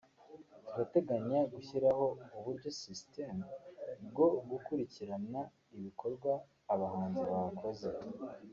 turateganya gushyiraho uburyo ’system’ bwo gukurikirana ibikorwa abahanzi bakoze